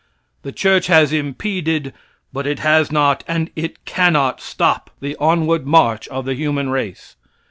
The church has impeded, but it has not and it cannot stop the onward march of the human race.